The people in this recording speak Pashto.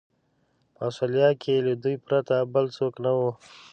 په اسټرالیا کې له دوی پرته بل څوک نه و.